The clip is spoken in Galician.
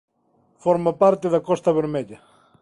Forma parte da Costa Vermella.